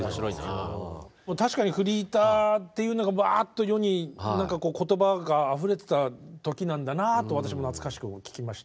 確かにフリーターっていうのがばっと世に言葉があふれてた時なんだなと私も懐かしく聞きました。